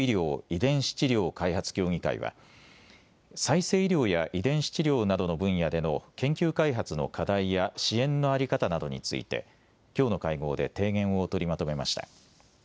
・遺伝子治療開発協議会は再生医療や遺伝子治療などの分野での研究開発の課題や支援の在り方などについてきょうの会合で提言を取りまとめました。